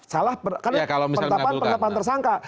salah pertapaan pertapaan tersangka